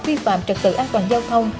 vi phạm trật tự an toàn giao thông